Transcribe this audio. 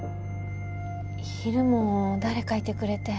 昼も誰かいてくれて